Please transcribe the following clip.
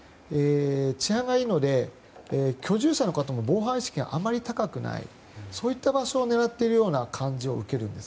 治安がいいので居住者の方も防犯意識があまり高くないそういった場所を狙っているような感じを受けるんです。